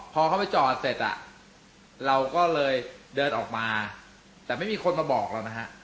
พอเขาไปจอดเสร็จอ่ะเราก็เลยเดินออกมาแต่ไม่มีคนมาบอกเรานะฮะ